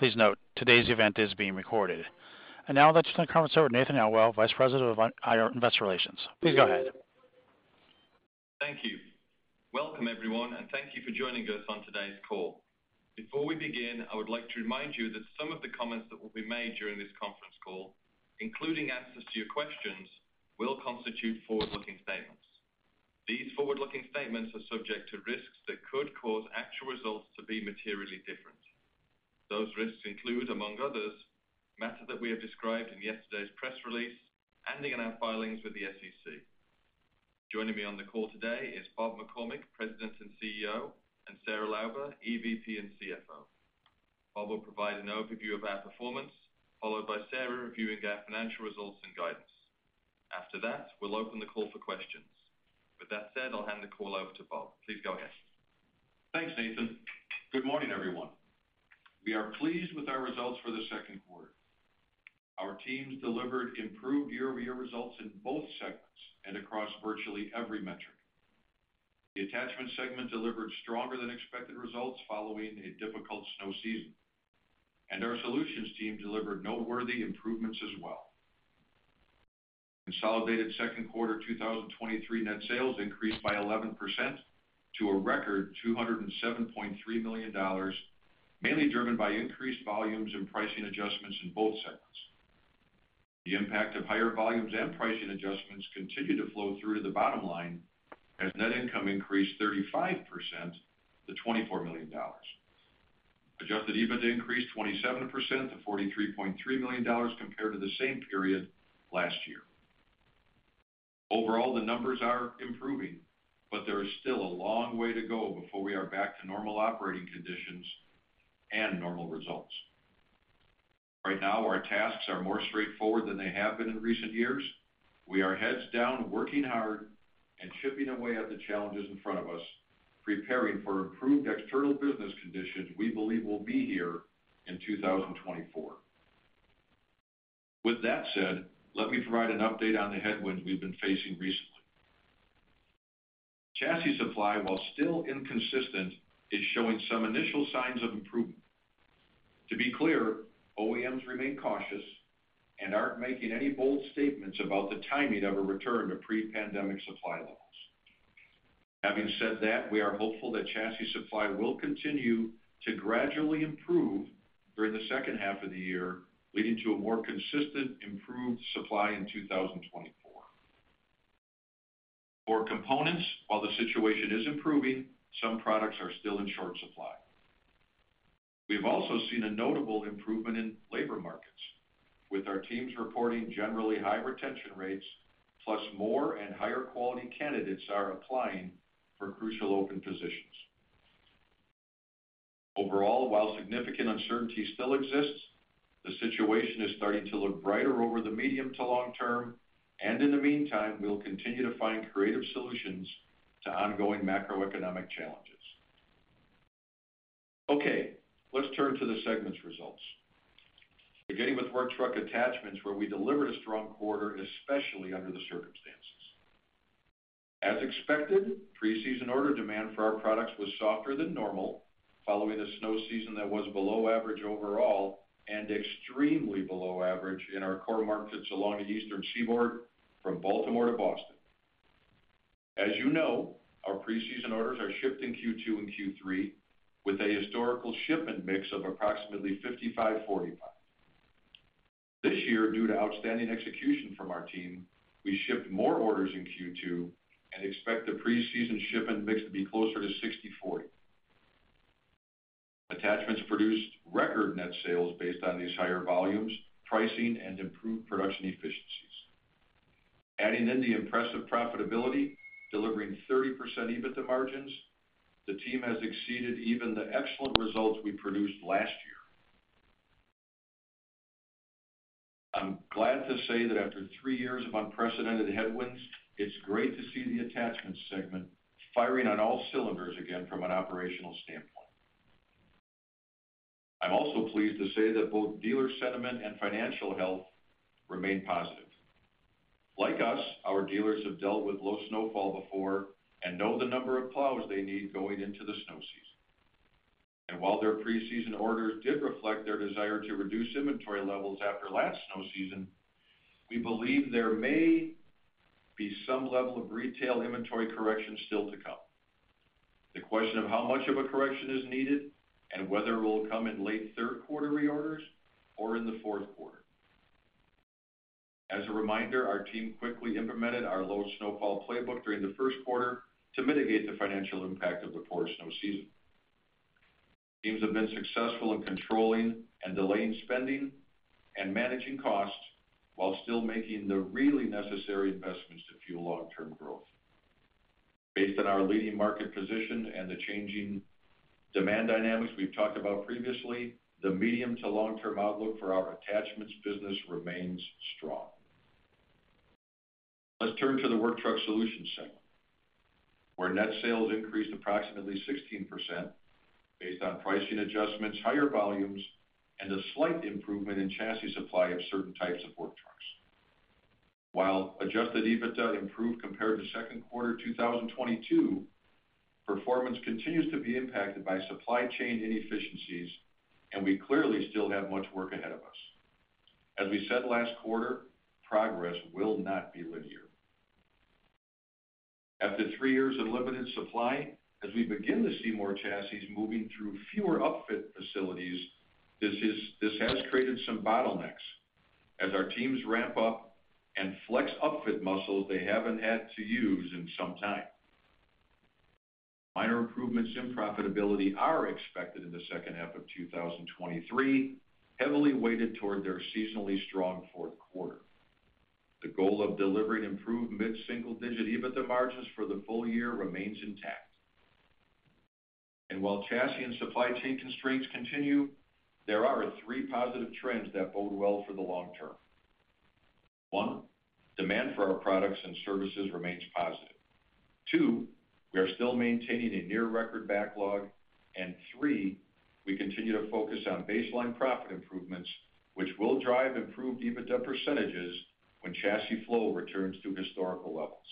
Please note, today's event is being recorded. Now I'd like to turn the conference over to Nathan Elwell, Vice President of IR Investor Relations. Please go ahead. Thank you. Welcome, everyone, and thank you for joining us on today's call. Before we begin, I would like to remind you that some of the comments that will be made during this conference call, including answers to your questions, will constitute forward-looking statements. These forward-looking statements are subject to risks that could cause actual results to be materially different. Those risks include, among others, matters that we have described in yesterday's press release and in our filings with the SEC. Joining me on the call today is Robert McCormick, President and CEO, and Sarah Lauber, EVP and CFO. Bob will provide an overview of our performance, followed by Sarah reviewing our financial results and guidance. After that, we'll open the call for questions. With that said, I'll hand the call over to Bob. Please go ahead. Thanks, Nathan. Good morning, everyone. We are pleased with our results for the second quarter. Our teams delivered improved year-over-year results in both segments and across virtually every metric. The Attachment segment delivered stronger than expected results following a difficult snow season, and our Solutions team delivered noteworthy improvements as well. Consolidated second quarter 2023 net sales increased by 11% to a record $207.3 million, mainly driven by increased volumes and pricing adjustments in both segments. The impact of higher volumes and pricing adjustments continued to flow through to the bottom line as net income increased 35% to $24 million. Adjusted EBITDA increased 27% to $43.3 million compared to the same period last year. Overall, the numbers are improving, but there is still a long way to go before we are back to normal operating conditions and normal results. Right now, our tasks are more straightforward than they have been in recent years. We are heads down, working hard and chipping away at the challenges in front of us, preparing for improved external business conditions we believe will be here in 2024. With that said, let me provide an update on the headwinds we've been facing recently. Chassis supply, while still inconsistent, is showing some initial signs of improvement. To be clear, OEMs remain cautious and aren't making any bold statements about the timing of a return to pre-pandemic supply levels. Having said that, we are hopeful that chassis supply will continue to gradually improve during the second half of the year, leading to a more consistent, improved supply in 2024. For components, while the situation is improving, some products are still in short supply. We've also seen a notable improvement in labor markets, with our teams reporting generally high retention rates, plus more and higher quality candidates are applying for crucial open positions. Overall, while significant uncertainty still exists, the situation is starting to look brighter over the medium to long term, and in the meantime, we'll continue to find creative solutions to ongoing macroeconomic challenges. Okay, let's turn to the segments results. Beginning with Work Truck Attachments, where we delivered a strong quarter, especially under the circumstances. As expected, preseason order demand for our products was softer than normal, following a snow season that was below average overall and extremely below average in our core markets along the Eastern Seaboard from Baltimore to Boston. As you know, our preseason orders are shipped in Q2 and Q3, with a historical shipment mix of approximately 55/45. This year, due to outstanding execution from our team, we shipped more orders in Q2 and expect the preseason shipment mix to be closer to 60/40. Attachments produced record net sales based on these higher volumes, pricing, and improved production efficiencies. Adding in the impressive profitability, delivering 30% EBITDA margins, the team has exceeded even the excellent results we produced last year. I'm glad to say that after three years of unprecedented headwinds, it's great to see the Attachment segment firing on all cylinders again from an operational standpoint. I'm also pleased to say that both dealer sentiment and financial health remain positive. Like us, our dealers have dealt with low snowfall before and know the number of plows they need going into the snow season. While their preseason orders did reflect their desire to reduce inventory levels after last snow season, we believe there may be some level of retail inventory correction still to come. The question of how much of a correction is needed and whether it will come in late third quarter reorders or in the fourth quarter. As a reminder, our team quickly implemented our low snowfall playbook during the first quarter to mitigate the financial impact of the poor snow season. Teams have been successful in controlling and delaying spending and managing costs while still making the really necessary investments to fuel long-term growth. Based on our leading market position and the changing demand dynamics we've talked about previously, the medium to long-term outlook for our attachments business remains strong. Let's turn to the Work Truck Solutions segment, where net sales increased approximately 16% based on pricing adjustments, higher volumes, and a slight improvement in chassis supply of certain types of work trucks. While adjusted EBITDA improved compared to second quarter 2022, performance continues to be impacted by supply chain inefficiencies, and we clearly still have much work ahead of us. As we said last quarter, progress will not be linear. After three years of limited supply, as we begin to see more chassis moving through fewer upfit facilities, this has created some bottlenecks as our teams ramp up and flex upfit muscles they haven't had to use in some time. Minor improvements in profitability are expected in the second half of 2023, heavily weighted toward their seasonally strong fourth quarter. The goal of delivering improved mid-single-digit EBITDA margins for the full year remains intact. While chassis and supply chain constraints continue, there are three positive trends that bode well for the long term. One, demand for our products and services remains positive. Two, we are still maintaining a near record backlog. Three, we continue to focus on baseline profit improvements, which will drive improved EBITDA % when chassis flow returns to historical levels.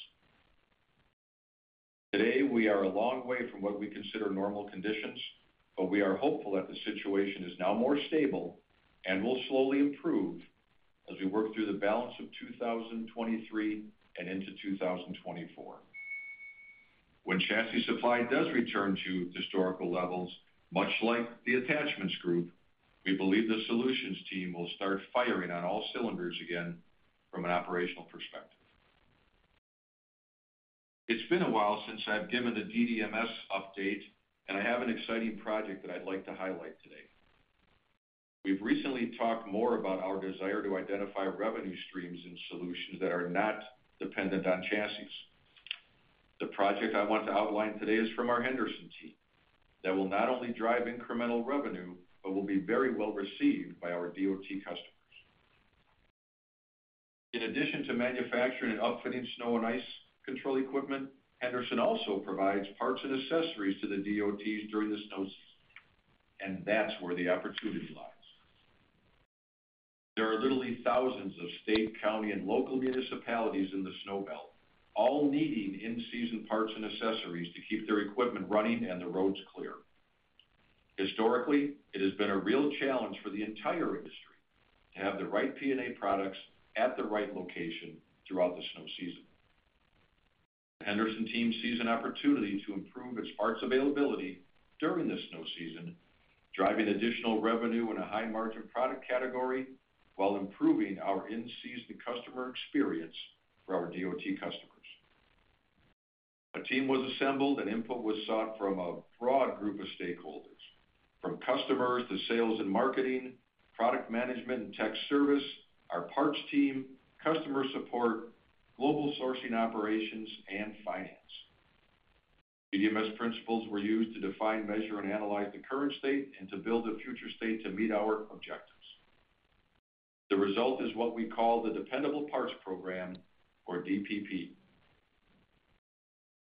Today, we are a long way from what we consider normal conditions, but we are hopeful that the situation is now more stable and will slowly improve as we work through the balance of 2023 and into 2024. When chassis supply does return to historical levels, much like the attachments group, we believe the solutions team will start firing on all cylinders again from an operational perspective. It's been a while since I've given the DDMS update. I have an exciting project that I'd like to highlight today. We've recently talked more about our desire to identify revenue streams and solutions that are not dependent on chassis. The project I want to outline today is from our Henderson team, that will not only drive incremental revenue, but will be very well received by our DOT customers. In addition to manufacturing and upfitting snow and ice control equipment, Henderson also provides parts and accessories to the DOTs during the snow season. That's where the opportunity lies. There are literally thousands of state, county, and local municipalities in the snow belt, all needing in-season parts and accessories to keep their equipment running and the roads clear. Historically, it has been a real challenge for the entire industry to have the right P&A products at the right location throughout the snow season. The Henderson team sees an opportunity to improve its parts availability during the snow season, driving additional revenue in a high-margin product category while improving our in-season customer experience for our DOT customers. A team was assembled, and input was sought from a broad group of stakeholders, from customers to sales and marketing, product management and tech service, our parts team, customer support, global sourcing operations, and finance. DDMS principles were used to define, measure, and analyze the current state and to build a future state to meet our objectives. The result is what we call the Dependable Parts Program or DPP.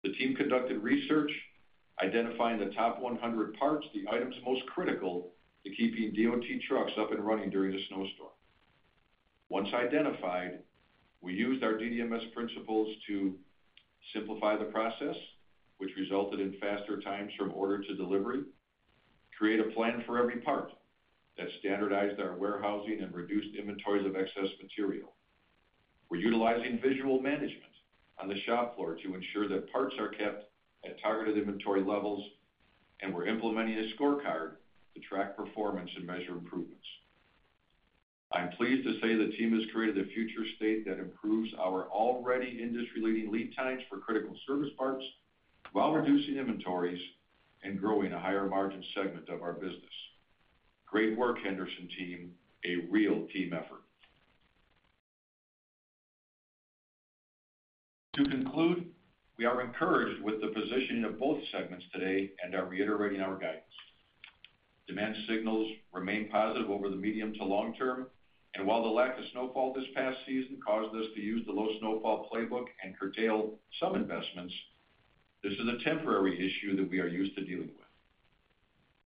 The team conducted research, identifying the top 100 parts, the items most critical to keeping DOT trucks up and running during a snowstorm. Once identified, we used our DDMS principles to simplify the process, which resulted in faster times from order to delivery, create a plan for every part that standardized our warehousing and reduced inventories of excess material. We're utilizing visual management on the shop floor to ensure that parts are kept at targeted inventory levels, and we're implementing a scorecard to track performance and measure improvements. I'm pleased to say the team has created a future state that improves our already industry-leading lead times for critical service parts, while reducing inventories and growing a higher margin segment of our business. Great work, Henderson team. A real team effort. To conclude, we are encouraged with the positioning of both segments today and are reiterating our guidance. Demand signals remain positive over the medium to long term. While the lack of snowfall this past season caused us to use the low snowfall playbook and curtail some investments, this is a temporary issue that we are used to dealing with.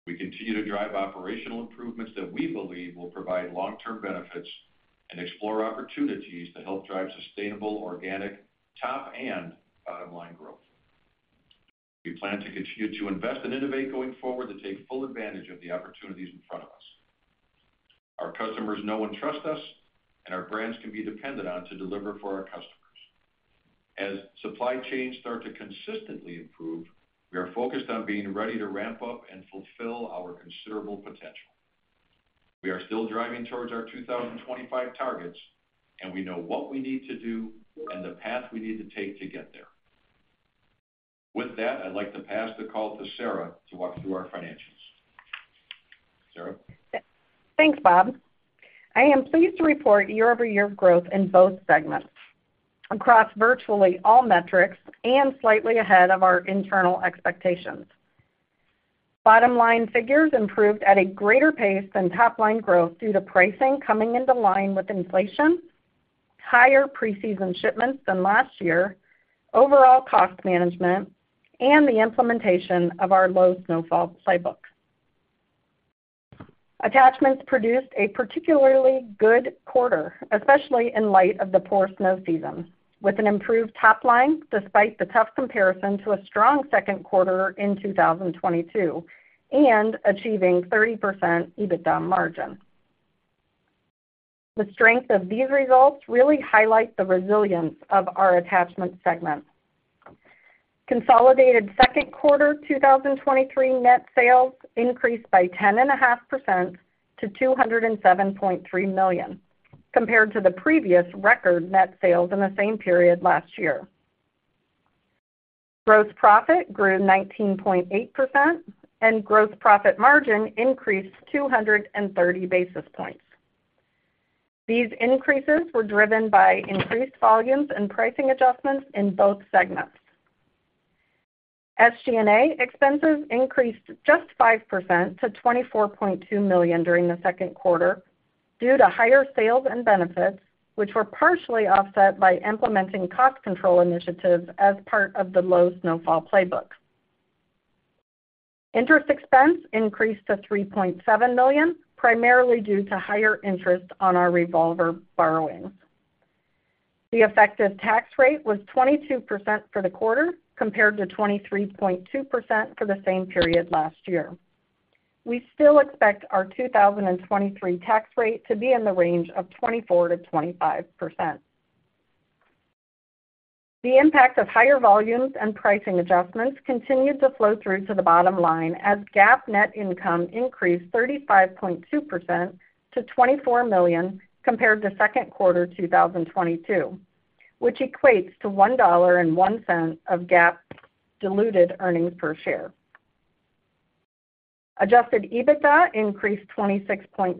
We continue to drive operational improvements that we believe will provide long-term benefits and explore opportunities to help drive sustainable, organic, top, and bottom-line growth. We plan to continue to invest and innovate going forward to take full advantage of the opportunities in front of us. Our customers know and trust us. Our brands can be depended on to deliver for our customers. As supply chains start to consistently improve, we are focused on being ready to ramp up and fulfill our considerable potential. We are still driving towards our 2025 targets, and we know what we need to do and the path we need to take to get there. With that, I'd like to pass the call to Sarah to walk through our financials. Sarah? Thanks, Bob. I am pleased to report year-over-year growth in both segments across virtually all metrics and slightly ahead of our internal expectations. Bottom-line figures improved at a greater pace than top-line growth due to pricing coming into line with inflation, higher preseason shipments than last year, overall cost management, and the implementation of our low snowfall playbook. Attachments produced a particularly good quarter, especially in light of the poor snow season, with an improved top line, despite the tough comparison to a strong second quarter in 2022, and achieving 30% EBITDA margin. The strength of these results really highlight the resilience of our Attachment segment. Consolidated 2Q 2023 net sales increased by 10.5% to $207.3 million, compared to the previous record net sales in the same period last year. Gross profit grew 19.8% and gross profit margin increased 230 basis points. These increases were driven by increased volumes and pricing adjustments in both segments. SG&A expenses increased just 5% to $24.2 million during the second quarter due to higher sales and benefits, which were partially offset by implementing cost control initiatives as part of the low snowfall playbook. Interest expense increased to $3.7 million, primarily due to higher interest on our revolver borrowings. The effective tax rate was 22% for the quarter, compared to 23.2% for the same period last year. We still expect our 2023 tax rate to be in the range of 24%-25%. The impact of higher volumes and pricing adjustments continued to flow through to the bottom line, as GAAP net income increased 35.2% to $24 million, compared to second quarter 2022, which equates to $1.01 of GAAP diluted earnings per share. Adjusted EBITDA increased 26.9%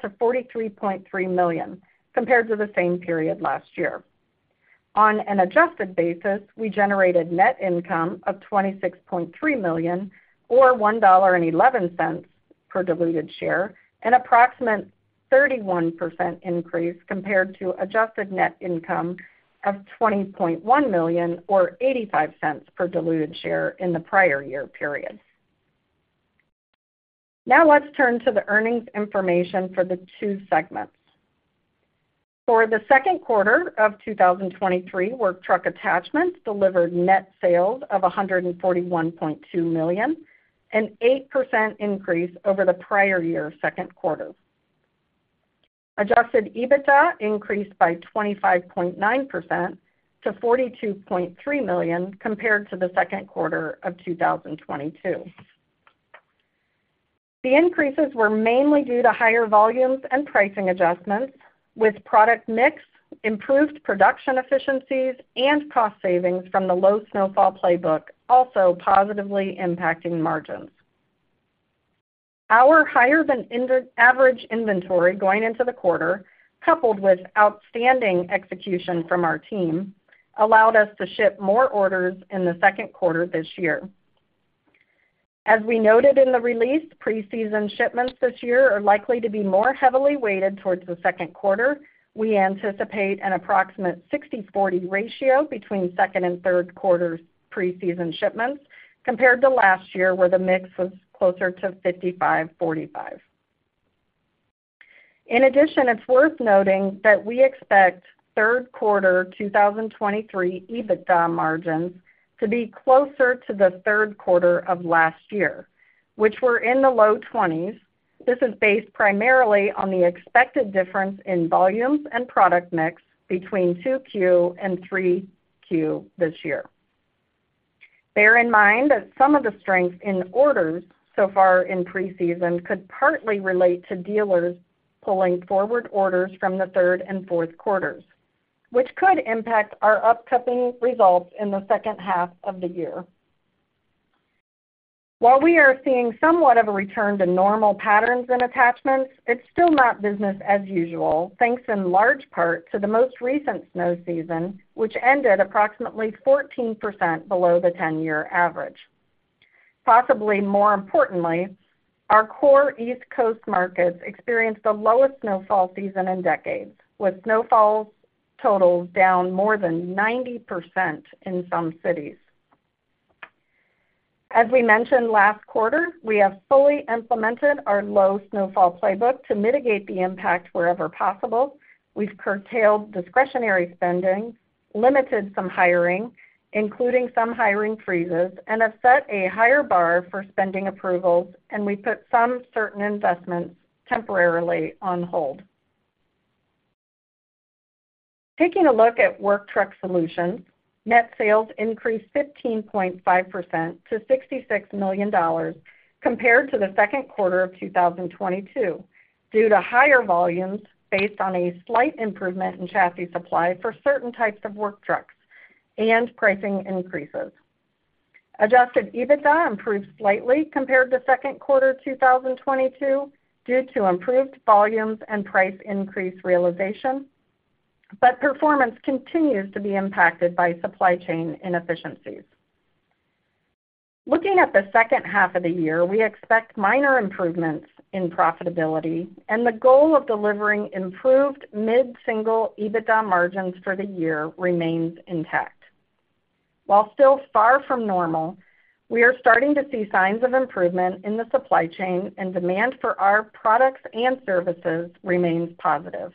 to $43.3 million compared to the same period last year. On an adjusted basis, we generated net income of $26.3 million, or $1.11 per diluted share, an approximate 31% increase compared to adjusted net income of $20.1 million, or $0.85 per diluted share in the prior year period. Let's turn to the earnings information for the two segments. For the second quarter of 2023, Work Truck Attachments delivered net sales of $141.2 million, an 8% increase over the prior year second quarter. Adjusted EBITDA increased by 25.9% to $42.3 million compared to the second quarter of 2022. The increases were mainly due to higher volumes and pricing adjustments, with product mix, improved production efficiencies, and cost savings from the low snowfall playbook also positively impacting margins. Our higher than average inventory going into the quarter, coupled with outstanding execution from our team, allowed us to ship more orders in the second quarter this year. As we noted in the release, preseason shipments this year are likely to be more heavily weighted towards the second quarter. We anticipate an approximate 60/40 ratio between second and third quarter preseason shipments compared to last year, where the mix was closer to 55/45. In addition, it's worth noting that we expect third quarter 2023 EBITDA margins to be closer to the third quarter of last year, which were in the low 20s. This is based primarily on the expected difference in volumes and product mix between 2Q and 3Q this year. Bear in mind that some of the strength in orders so far in preseason could partly relate to dealers pulling forward orders from the third and fourth quarters, which could impact our upcoming results in the second half of the year. While we are seeing somewhat of a return to normal patterns in attachments, it's still not business as usual, thanks in large part to the most recent snow season, which ended approximately 14% below the 10-year average. Possibly more importantly, our core East Coast markets experienced the lowest snowfall season in decades, with snowfalls totals down more than 90% in some cities. As we mentioned last quarter, we have fully implemented our low snowfall playbook to mitigate the impact wherever possible. We've curtailed discretionary spending, limited some hiring, including some hiring freezes, and have set a higher bar for spending approvals, and we put some certain investments temporarily on hold. Taking a look at Work Truck Solutions, net sales increased 15.5% to $66 million compared to the second quarter of 2022, due to higher volumes based on a slight improvement in chassis supply for certain types of work trucks and pricing increases. Adjusted EBITDA improved slightly compared to second quarter 2022 due to improved volumes and price increase realization. Performance continues to be impacted by supply chain inefficiencies. Looking at the second half of the year, we expect minor improvements in profitability and the goal of delivering improved mid-single EBITDA margins for the year remains intact. While still far from normal, we are starting to see signs of improvement in the supply chain, and demand for our products and services remains positive.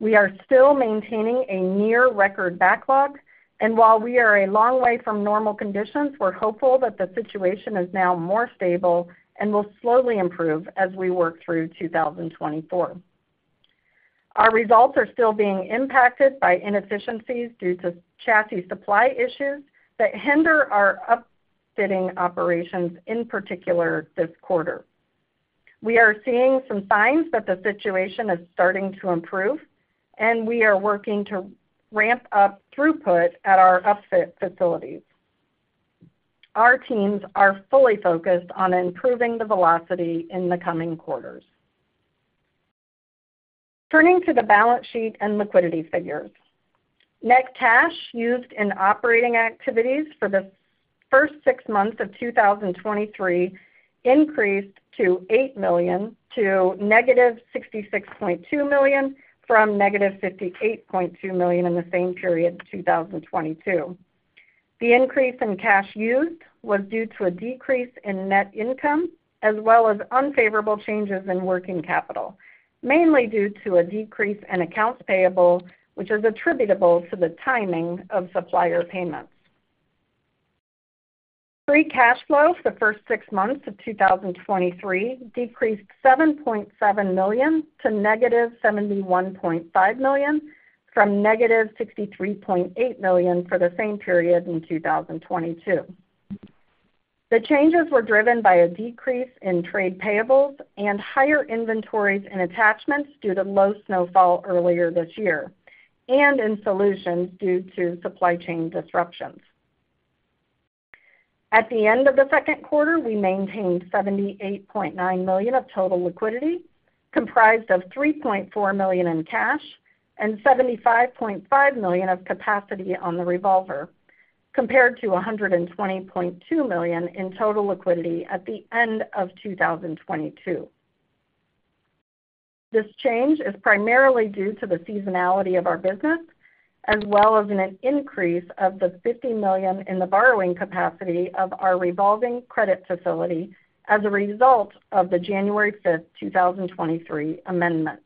We are still maintaining a near-record backlog, and while we are a long way from normal conditions, we're hopeful that the situation is now more stable and will slowly improve as we work through 2024. Our results are still being impacted by inefficiencies due to chassis supply issues that hinder our upfitting operations, in particular this quarter. We are seeing some signs that the situation is starting to improve, and we are working to ramp up throughput at our upfit facilities. Our teams are fully focused on improving the velocity in the coming quarters. Turning to the balance sheet and liquidity figures. Net cash used in operating activities for the first six months of 2023 increased to $8 million to -$66.2 million, from -$58.2 million in the same period in 2022. The increase in cash used was due to a decrease in net income, as well as unfavorable changes in working capital, mainly due to a decrease in accounts payable, which is attributable to the timing of supplier payments. Free cash flow for the first six months of 2023 decreased $7.7 million to negative $71.5 million, from negative $63.8 million for the same period in 2022. The changes were driven by a decrease in trade payables and higher inventories and attachments due to low snowfall earlier this year, and in solutions due to supply chain disruptions. At the end of the second quarter, we maintained $78.9 million of total liquidity, comprised of $3.4 million in cash and $75.5 million of capacity on the revolver, compared to $120.2 million in total liquidity at the end of 2022. This change is primarily due to the seasonality of our business, as well as an increase of the $50 million in the borrowing capacity of our revolving credit facility as a result of the 5 January 2023 amendment.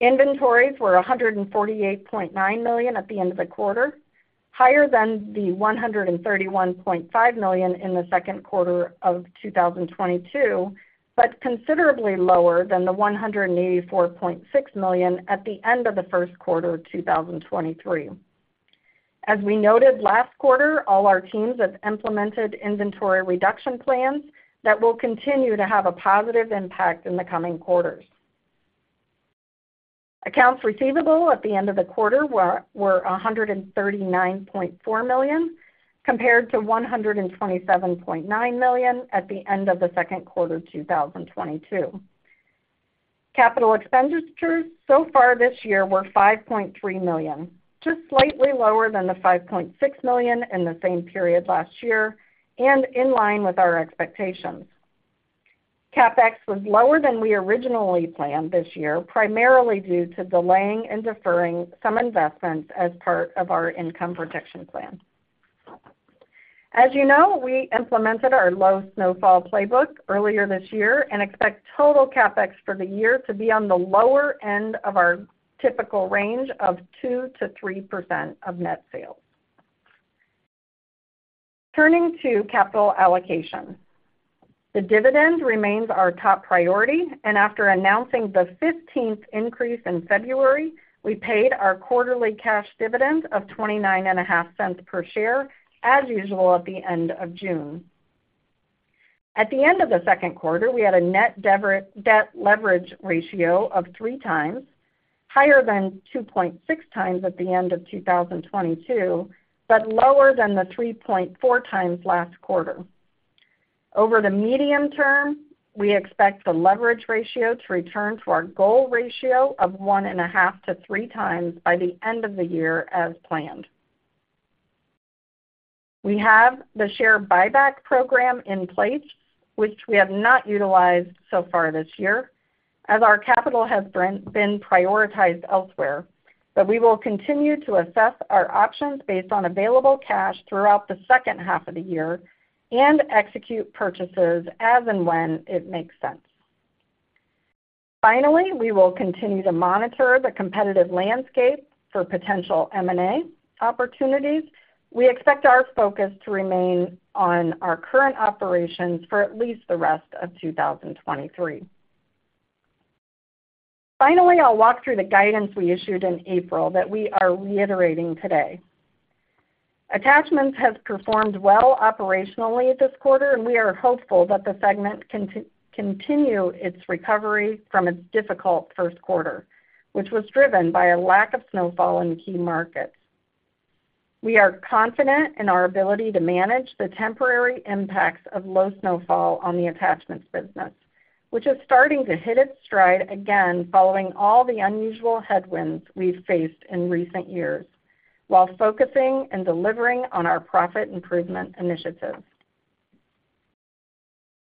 Inventories were $148.9 million at the end of the quarter, higher than the $131.5 million in the second quarter of 2022, but considerably lower than the $184.6 million at the end of the first quarter of 2023. As we noted last quarter, all our teams have implemented inventory reduction plans that will continue to have a positive impact in the coming quarters. Accounts receivable at the end of the quarter were $139.4 million, compared to $127.9 million at the end of the second quarter of 2022. Capital expenditures so far this year were $5.3 million, just slightly lower than the $5.6 million in the same period last year and in line with our expectations. CapEx was lower than we originally planned this year, primarily due to delaying and deferring some investments as part of our low snowfall playbook. As you know, we implemented our low snowfall playbook earlier this year and expect total CapEx for the year to be on the lower end of our typical range of 2%-3% of net sales. Turning to capital allocation. The dividend remains our top priority, and after announcing the 15th increase in February, we paid our quarterly cash dividend of $0.295 per share, as usual, at the end of June. At the end of the second quarter, we had a net debt leverage ratio of three times, higher than 2.6 times at the end of 2022, but lower than the 3.4 times last quarter. Over the medium term, we expect the leverage ratio to return to our goal ratio of 1.5 to three times by the end of the year, as planned. We have the share buyback program in place, which we have not utilized so far this year, as our capital has been prioritized elsewhere. We will continue to assess our options based on available cash throughout the second half of the year and execute purchases as and when it makes sense. We will continue to monitor the competitive landscape for potential M&A opportunities. We expect our focus to remain on our current operations for at least the rest of 2023. Finally, I'll walk through the guidance we issued in April that we are reiterating today. Attachments has performed well operationally this quarter, and we are hopeful that the segment can continue its recovery from its difficult first quarter, which was driven by a lack of snowfall in key markets. We are confident in our ability to manage the temporary impacts of low snowfall on the Attachments business, which is starting to hit its stride again following all the unusual headwinds we've faced in recent years, while focusing and delivering on our profit improvement initiatives.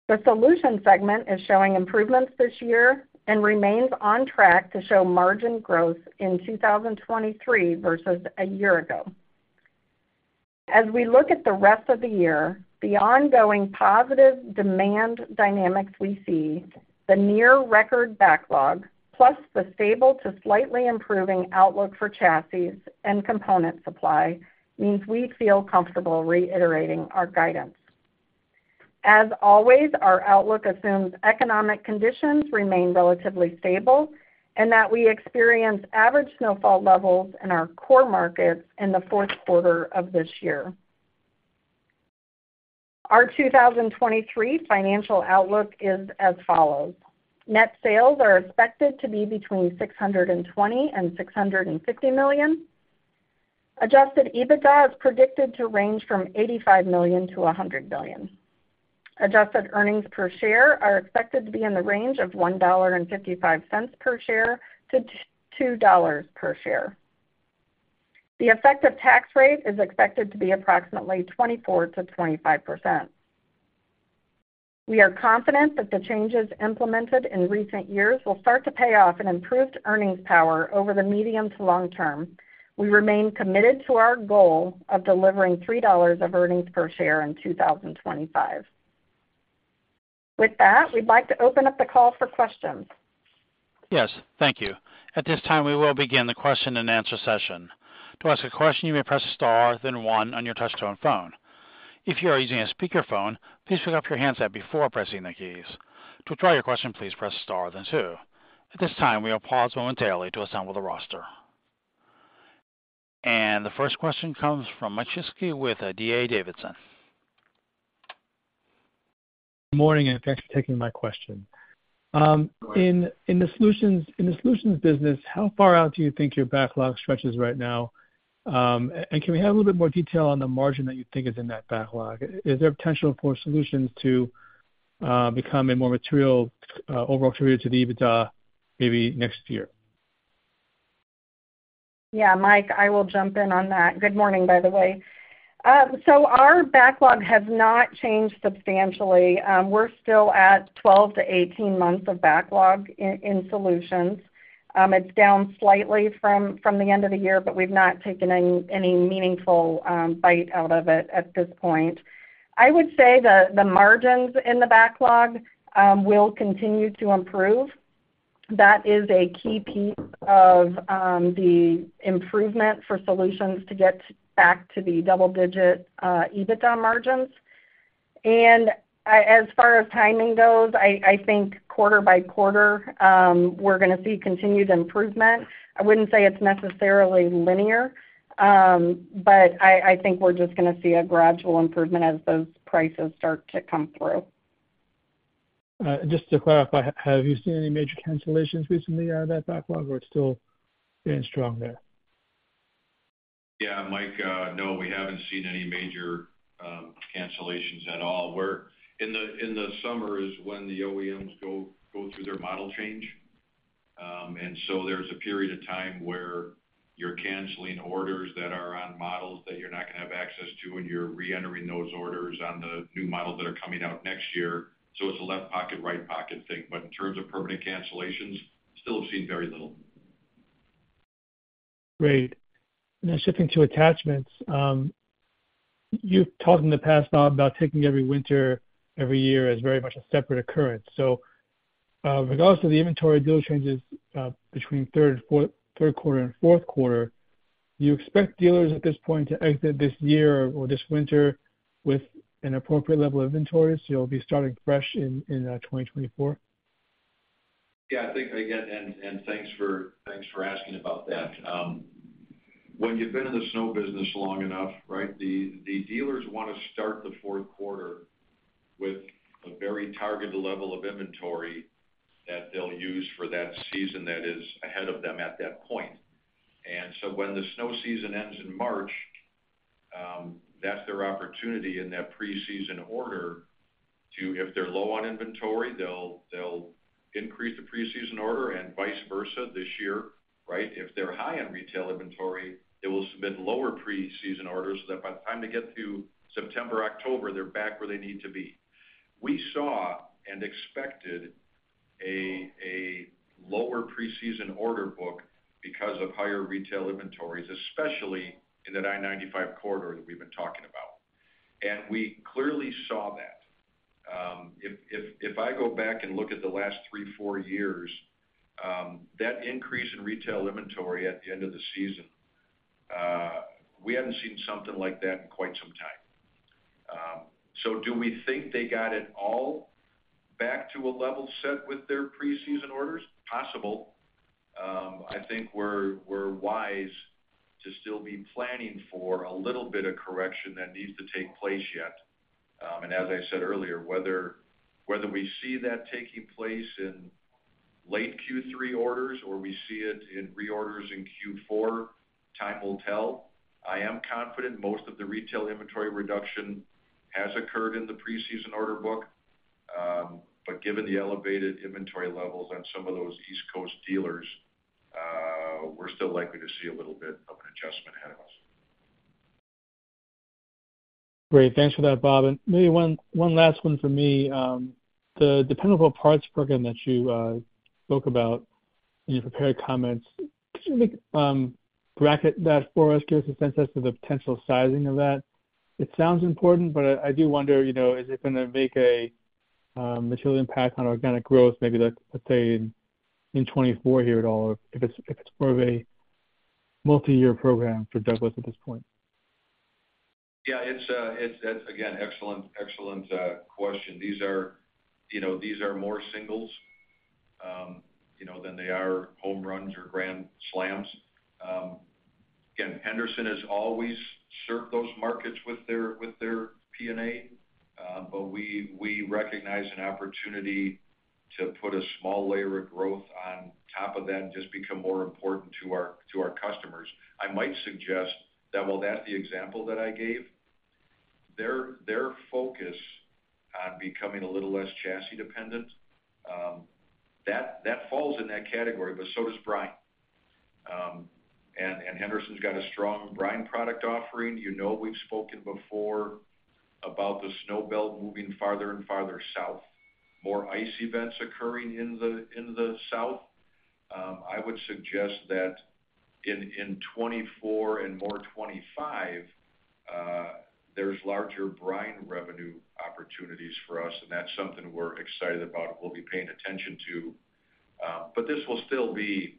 The Solutions segment is showing improvements this year and remains on track to show margin growth in 2023 versus a year ago. As we look at the rest of the year, the ongoing positive demand dynamics we see, the near record backlog, plus the stable to slightly improving outlook for chassis and component supply, means we feel comfortable reiterating our guidance. As always, our outlook assumes economic conditions remain relatively stable and that we experience average snowfall levels in our core markets in the fourth quarter of this year. Our 2023 financial outlook is as follows: Net sales are expected to be between $620 million and $650 million. Adjusted EBITDA is predicted to range from $85 million to $100 million. Adjusted earnings per share are expected to be in the range of $1.55 per share to $2.00 per share. The effective tax rate is expected to be approximately 24%-25%. We are confident that the changes implemented in recent years will start to pay off in improved earnings power over the medium to long term. We remain committed to our goal of delivering $3 of earnings per share in 2025. With that, we'd like to open up the call for questions. Yes, thank you. At this time, we will begin the question-and-answer session. To ask a question, you may press star, then one on your touchtone phone. If you are using a speakerphone, please pick up your handset before pressing the keys. To withdraw your question, please press star, then two. At this time, we will pause momentarily to assemble the roster. The first question comes from Shlisky with D.A. Davidson. Good morning, thanks for taking my question. In, in the Solutions, in the Solutions Business, how far out do you think your backlog stretches right now? Can we have a little bit more detail on the margin that you think is in that backlog? Is there potential for Solutions to become a more material overall contributor to the EBITDA maybe next year? Yeah, Mike, I will jump in on that. Good morning, by the way. Our backlog has not changed substantially. We're still at 12 to 18 months of backlog in Work Truck Solutions. It's down slightly from the end of the year, but we've not taken any meaningful bite out of it at this point. I would say the margins in the backlog will continue to improve. That is a key piece of the improvement for Work Truck Solutions to get back to the double digit EBITDA margins. As far as timing goes, I think quarter by quarter, we're gonna see continued improvement. I wouldn't say it's necessarily linear, but I think we're just gonna see a gradual improvement as those prices start to come through. Just to clarify, have you seen any major cancellations recently out of that backlog, or it's still staying strong there? Yeah, Mike, no, we haven't seen any major cancellations at all. In the, in the summer is when the OEMs go, go through their model change. So there's a period of time where you're canceling orders that are on models that you're not gonna have access to, and you're reentering those orders on the new models that are coming out next year. It's a left pocket, right pocket thing. In terms of permanent cancellations, still have seen very little. Great. Now, shifting to attachments, you've talked in the past, Bob, about taking every winter, every year as very much a separate occurrence. Regardless of the inventory deal changes, between third and fourth, third quarter and 4th quarter, do you expect dealers at this point to exit this year or this winter with an appropriate level of inventory, so you'll be starting fresh in, in 2024? Yeah, I think again, and thanks for, thanks for asking about that. When you've been in the snow business long enough, right, the dealers want to start the fourth quarter with a very targeted level of inventory that they'll use for that season that is ahead of them at that point. So when the snow season ends in March, that's their opportunity in that preseason order to, if they're low on inventory they'll increase the preseason order and vice versa this year, right? If they're high on retail inventory, they will submit lower preseason orders, so that by the time they get to September, October, they're back where they need to be. We saw and expected a lower preseason order book because of higher retail inventories, especially in that I-95 corridor that we've been talking about. We clearly saw that. If I go back and look at the last three, four years, that increase in retail inventory at the end of the season, we haven't seen something like that in quite some time. Do we think they got it all back to a level set with their preseason orders? Possible. I think we're, we're wise to still be planning for a little bit of correction that needs to take place yet. As I said earlier, whether, whether we see that taking place in late Q3 orders or we see it in reorders in Q4, time will tell. I am confident most of the retail inventory reduction has occurred in the preseason order book. Given the elevated inventory levels on some of those East Coast dealers, we're still likely to see a little bit of an adjustment ahead of us. Great. Thanks for that, Bob. Maybe one, one last one for me. The Dependable Parts Program that you spoke about in your prepared comments, could you make, bracket that for us, give us a sense as to the potential sizing of that? It sounds important, but I do wonder, you know, is it gonna make a material impact on organic growth, maybe like, let's say, in, in 2024 here at all, or if it's more of a multiyear program for Douglas at this point? Yeah, it's that's again, excellent, excellent question. These are, you know, these are more singles, you know, than they are home runs or grand slams. Again, Henderson has always served those markets with their, with their PNA, we recognize an opportunity to put a small layer of growth on top of that and just become more important to our, to our customers. I might suggest that while that's the example that I gave, their, their focus on becoming a little less chassis dependent, that, that falls in that category, so does brine. Henderson's got a strong brine product offering. You know, we've spoken before about the snow belt moving farther and farther south. More ice events occurring in the, in the south. I would suggest that in, in 2024 and more 2025, there's larger brine revenue opportunities for us, and that's something we're excited about and we'll be paying attention to. This will still be,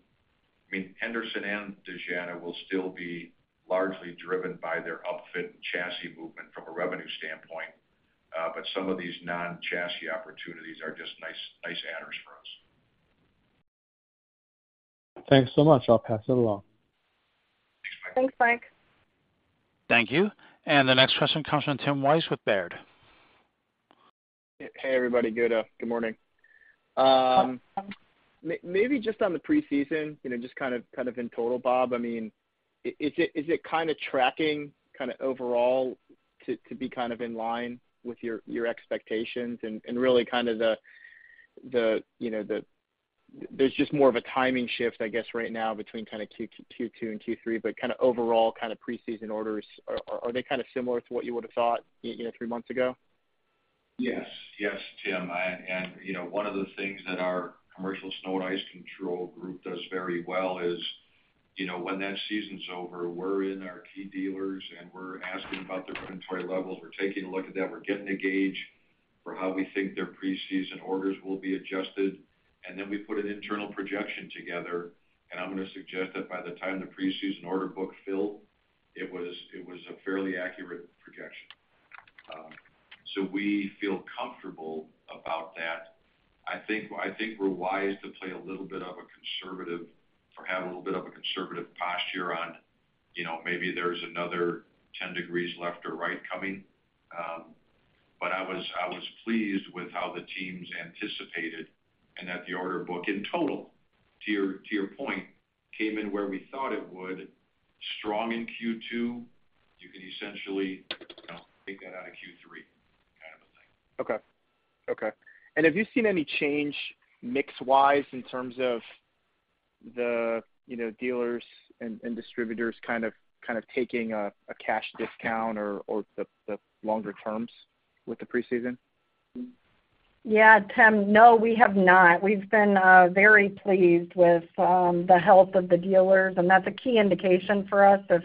I mean, Henderson and Dejana will still be largely driven by their upfit and chassis movement from a revenue standpoint, but some of these non-chassis opportunities are just nice, nice adders for us. Thanks so much. I'll pass it along. Thanks, Mike. Thanks, Mike. Thank you. The next question comes from Timothy Wojs with Baird. Hey, everybody. Good morning. Maybe just on the preseason, you know, just kind of in total, Bob, I mean, is it kind of tracking, kind of overall to be kind of in line with your expectations and really you know, there's just more of a timing shift, I guess, right now between Q2 and Q3, but kind of overall, kind of preseason orders, are they kind of similar to what you would have thought, you know, three months ago? Yes. Tim. You know, one of the things that our commercial snow and ice control group does very well is, you know, when that season's over, we're in our key dealers, and we're asking about their inventory levels. We're taking a look at that. We're getting a gauge for how we think their preseason orders will be adjusted, and then we put an internal projection together. I'm gonna suggest that by the time the preseason order book filled, it was a fairly accurate projection. We feel comfortable about that. I think we're wise to play a little bit of a conservative or have a little bit of a conservative posture on, you know, maybe there's another 10 degrees left or right coming. I was pleased with how the teams anticipated and that the order book in total to your point, came in where we thought it would, strong in Q2. You can essentially, you know, take that out of Q3 kind of a thing. Okay. Okay. Have you seen any change mix-wise in terms of the, you know, dealers and distributors kind of taking a cash discount or the longer terms with the preseason? Yeah, Tim, no, we have not. We've been very pleased with the health of the dealers, and that's a key indication for us if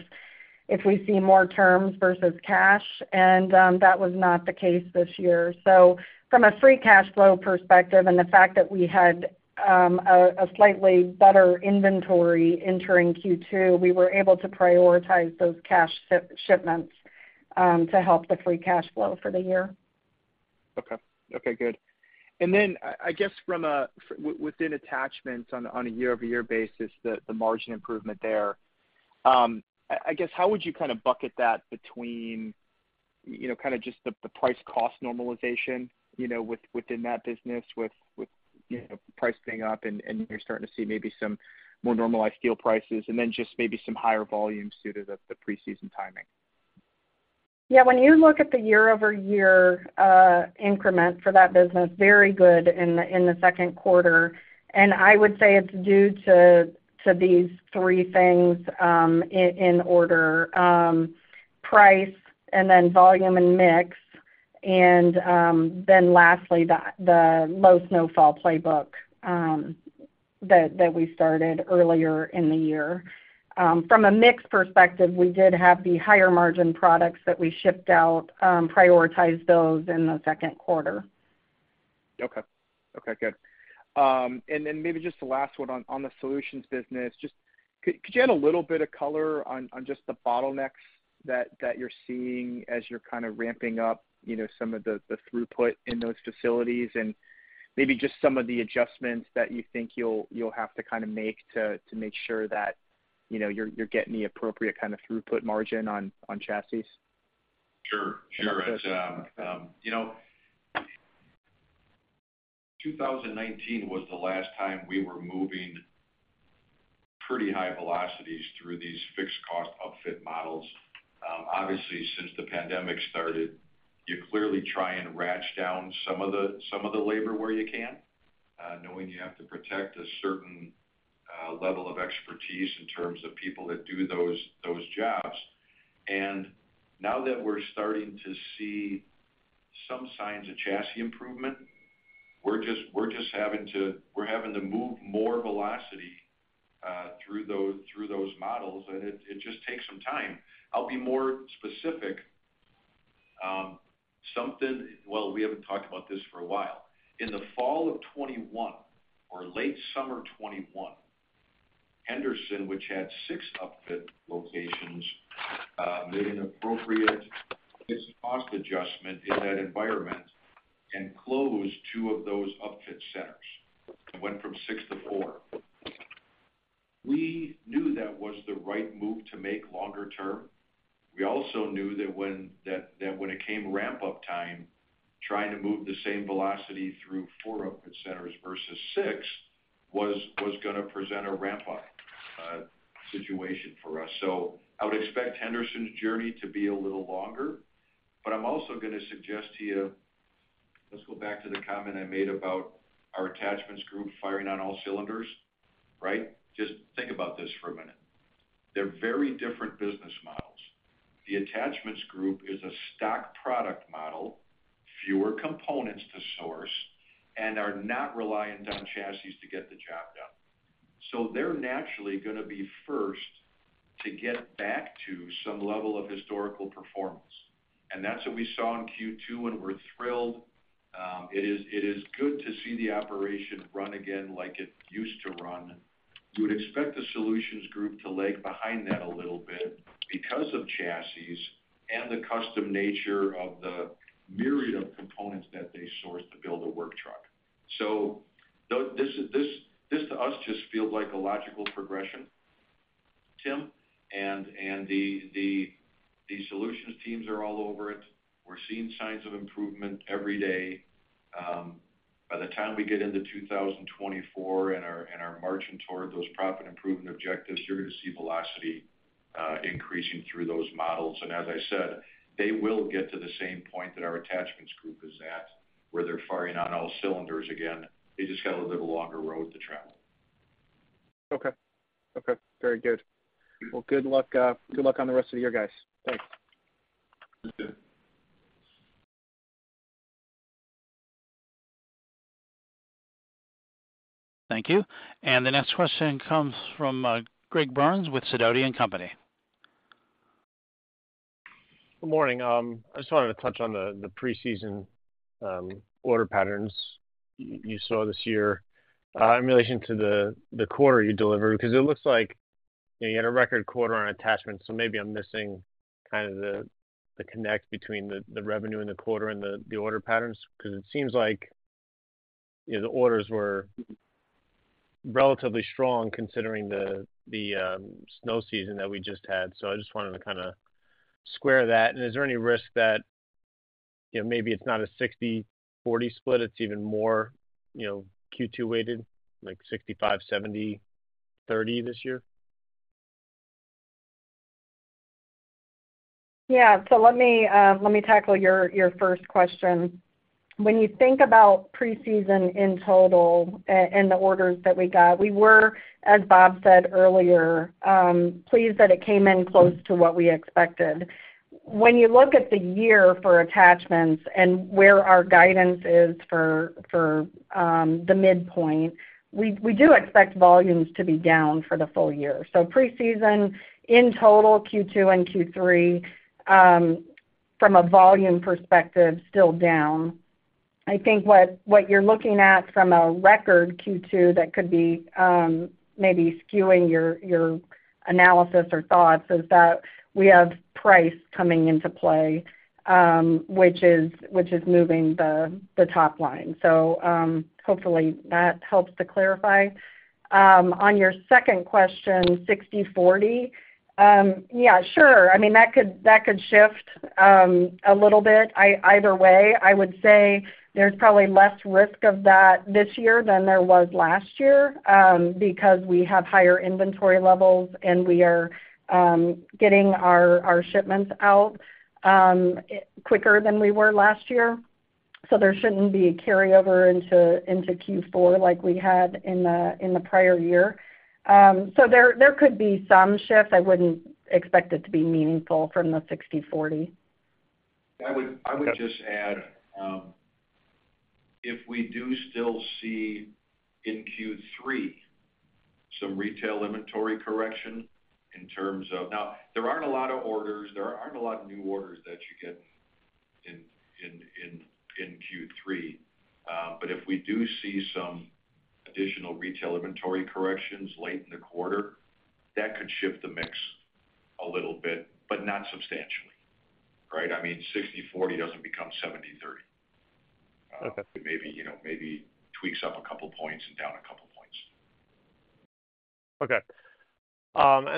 we see more terms versus cash, and that was not the case this year. From a free cash flow perspective and the fact that we had a, a slightly better inventory entering Q2, we were able to prioritize those cash ship- shipments to help the free cash flow for the year. Okay. Okay, good. I guess within attachments on a year-over-year basis, the margin improvement there, how would you kind of bucket that between, you know, kind of just the price cost normalization, you know, within that business, pricing up and you're starting to see maybe some more normalized steel prices, and then just maybe some higher volumes due to the preseason timing? Yeah, when you look at the year-over-year increment for that business, very good in the, in the second quarter. I would say it's due to these 3 things, in order: price and then volume and mix, and then lastly, the low snowfall playbook that we started earlier in the year. From a mix perspective, we did have the higher margin products that we shipped out, prioritize those in the second quarter. Okay. Okay, good. Then maybe just the last one on the Solutions business. Just could, could you add a little bit of color on just the bottlenecks that, that you're seeing as you're kind of ramping up, you know, some of the, the throughput in those facilities? Maybe just some of the adjustments that you think you'll have to kind of make to make sure that, you know you're getting the appropriate kind of throughput margin on, on chassis? Sure. Sure. Okay. You know, 2019 was the last time we were moving pretty high velocities through these fixed cost upfit models. Obviously, since the pandemic started, you clearly try and wrench down some of the, some of the labor where you can, knowing you have to protect a certain level of expertise in terms of people that do those, those jobs. Now that we're starting to see some signs of chassis improvement, we're just, we're just having to move more velocity through those, through those models, and it just takes some time. I'll be more specific. Well, we haven't talked about this for a while. In the fall of 2021 or late summer 2021, Henderson, which had six upfit locations, made an appropriate fixed cost adjustment in that environment and closed two of those upfit centers. It went from six to four. We knew that was the right move to make longer term. We also knew that when it came ramp-up time, trying to move the same velocity through four upfit centers versus six was gonna present a ramp-up situation for us. I would expect Henderson's journey to be a little longer. I'm also gonna suggest to you, let's go back to the comment I made about our attachments group firing on all cylinders, right? Just think about this for a minute. They're very different business models. The Attachments Group is a stock product model, fewer components to source, and are not reliant on chassis to get the job done. They're naturally gonna be first to get back to some level of historical performance. That's what we saw in Q2, and we're thrilled. It is, it is good to see the operation run again like it used to run. You would expect the Solutions Group to lag behind that a little bit because of chassis and the custom nature of the myriad of components that they source to build a work truck. This is this to us, just feels like a logical progression, Tim, and, and the, the, the Solutions teams are all over it. We're seeing signs of improvement every day. By the time we get into 2024 and are, and are marching toward those profit improvement objectives, you're gonna see velocity increasing through those models. As I said, they will get to the same point that our attachments group is at, where they're firing on all cylinders again. They just got a little longer road to travel. Okay. Okay, very good. Well, good luck, good luck on the rest of the year, guys. Thanks. Thank you. Thank you. The next question comes from Gregory Burns with Sidoti & Company. Good morning. I just wanted to touch on the, the preseason order patterns you saw this year, in relation to the quarter you delivered, because it looks like you had a record quarter on attachments, so maybe I'm missing kind of the, the connect between the, the revenue and the quarter and the order patterns. It seems like, you know, the orders were relatively strong considering the, the snow season that we just had. I just wanted to kind of square that. Is there any risk that, you know, maybe it's not a 60/40 split, it's even more Q2 weighted, like 65, 70/30 this year? Yeah. Let me, let me tackle your, your first question. When you think about preseason in total and the orders that we got, we were, as Bob said earlier, pleased that it came in close to what we expected. When you look at the year for attachments and where our guidance is for the midpoint we do expect volumes to be down for the full year. Preseason in total, Q2 and Q3, from a volume perspective, still down. I think what you're looking at from a record Q2 that could be, maybe skewing your, your analysis or thoughts, is that we have price coming into play, which is, which is moving the, the top line. Hopefully, that helps to clarify. On your second question, 60/40, yeah, sure. I mean, that could, that could shift, a little bit. Either way, I would say there's probably less risk of that this year than there was last year, because we have higher inventory levels, and we are, getting our shipments out, quicker than we were last year. There shouldn't be a carryover into, into Q4 like we had in the, in the prior year. There, there could be some shift. I wouldn't expect it to be meaningful from the 60/40. I would, I would just add, if we do still see in Q3 some retail inventory correction in terms of. Now, there aren't a lot of orders, there aren't a lot of new orders that you get in Q3. If we do see some additional retail inventory corrections late in the quarter, that could shift the mix a little bit, but not substantially, right? I mean, 60/40 doesn't become 70/30. Okay. Maybe, you know, maybe tweaks up two points and down two points.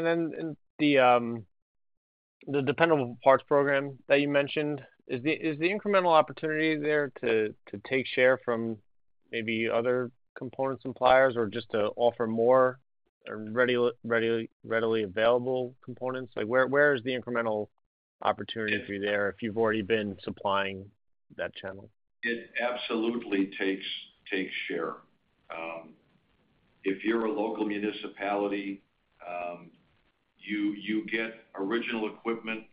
Okay. In the, the Dependable Parts Program that you mentioned, is the, is the incremental opportunity there to, to take share from maybe other component suppliers or just to offer more or readily available components? Like, where is the incremental opportunity if you're there, if you've already been supplying that channel? It absolutely takes, takes share. If you're a local municipality, you, you get original equipment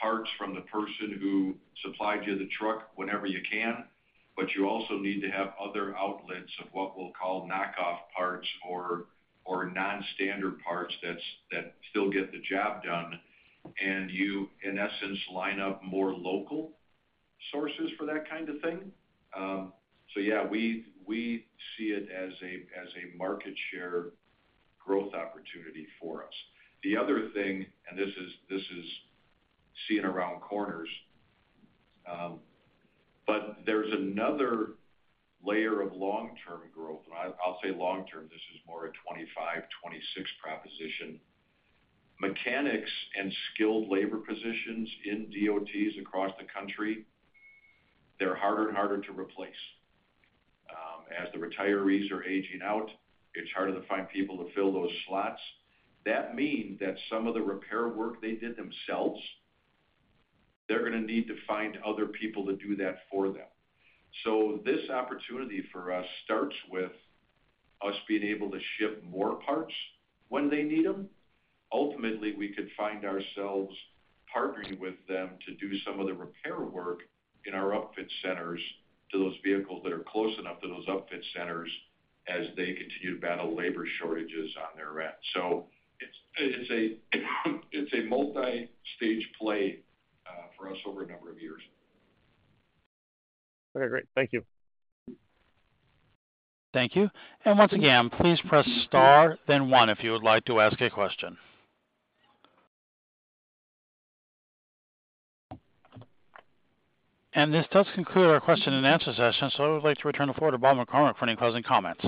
parts from the person who supplied you the truck whenever you can, but you also need to have other outlets of what we'll call knockoff parts or, or non-standard parts that still get the job done, and you, in essence, line up more local sources for that kind of thing. Yeah, we see it as a, as a market share growth opportunity for us. The other thing, this is seeing around corners, but there's another layer of long-term growth. I'll say long term, this is more a 25, 26 proposition. Mechanics and skilled labor positions in DOTs across the country, they're harder and harder to replace. As the retirees are aging out, it's harder to find people to fill those slots. That means that some of the repair work they did themselves, they're going to need to find other people to do that for them. This opportunity for us starts with us being able to ship more parts when they need them. Ultimately, we could find ourselves partnering with them to do some of the repair work in our upfit centers to those vehicles that are close enough to those upfit centers as they continue to battle labor shortages on their end. It's, it's a, it's a multi-stage play for us over a number of years. Okay, great. Thank you. Thank you. Once again, please press star, then one if you would like to ask a question. This does conclude our question-and answer-session, I would like to return the floor to Robert McCormick for any closing comments.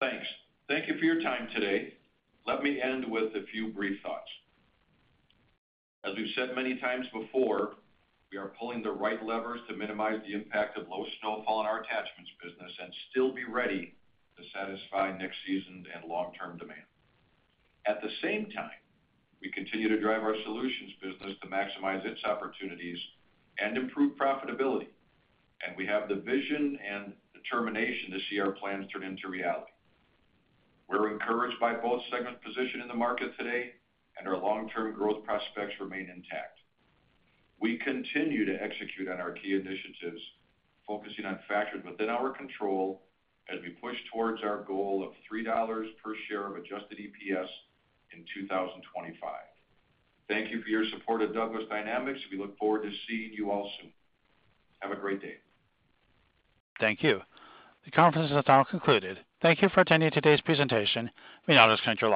Thanks. Thank you for your time today. Let me end with a few brief thoughts. As we've said many times before, we are pulling the right levers to minimize the impact of low snowfall on our attachments business and still be ready to satisfy next season and long-term demand. At the same time, we continue to drive our solutions business to maximize its opportunities and improve profitability. We have the vision and determination to see our plans turn into reality. We're encouraged by both segment position in the market today. Our long-term growth prospects remain intact. We continue to execute on our key initiatives, focusing on factors within our control as we push towards our goal of $3 per share of adjusted EPS in 2025. Thank you for your support of Douglas Dynamics. We look forward to seeing you all soon. Have a great day. Thank you. The conference is now concluded. Thank you for attending today's presentation.